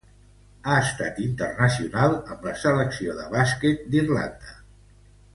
Ha estat internacional amb la selecció de bàsquet d'Irlanda.